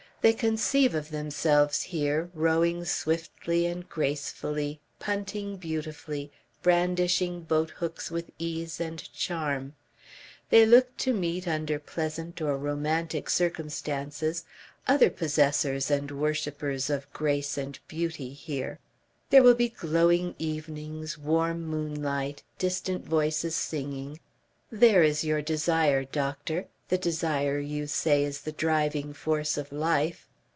They conceive of themselves here, rowing swiftly and gracefully, punting beautifully, brandishing boat hooks with ease and charm. They look to meet, under pleasant or romantic circumstances, other possessors and worshippers of grace and beauty here. There will be glowing evenings, warm moonlight, distant voices singing....There is your desire, doctor, the desire you say is the driving force of life.